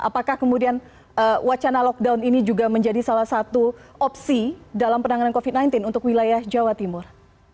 apakah kemudian wacana lockdown ini juga menjadi salah satu opsi dalam penanganan covid sembilan belas untuk wilayah jawa timur